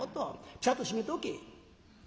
ちゃんと閉めておけ」。